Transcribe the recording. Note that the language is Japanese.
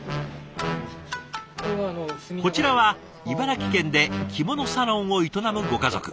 こちらは茨城県で着物サロンを営むご家族。